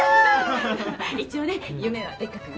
一応ね夢はでっかく。